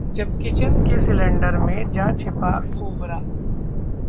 जब किचन के सिलेंडर में जा छिपा कोबरा!